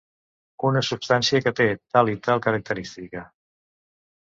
Una substància que té tal i tal característica.